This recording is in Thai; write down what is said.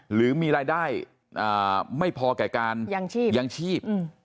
หรือมีรายได้ไม่พอแก่การยังชีพ